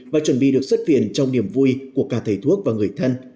và chuẩn bị được xuất viện trong niềm vui của cả thầy thuốc và người thân